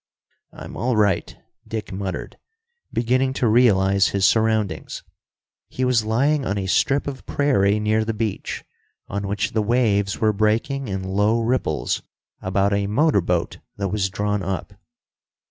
"I'm all right." Dick muttered, beginning to realize his surroundings. He was lying on a strip of prairie near the beach, on which the waves were breaking in low ripples about a motorboat that was drawn up.